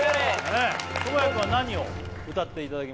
倫也君は何を歌っていただきましょうか？